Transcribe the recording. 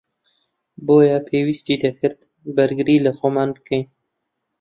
بۆیە پێویستی دەکرد بەرگری لەخۆمان بکەن